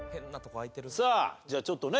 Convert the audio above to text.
さあじゃあちょっとね